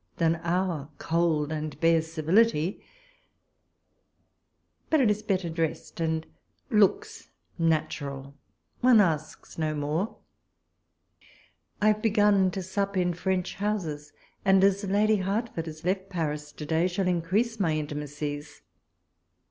than our cold and bare civility ; but it is better dressed, and looks natural ; one asks'no more. I have begun 116 walpole's letters. to sup in French houses, and as Lady Hertford has left Paris to day, shall increase my intima cies.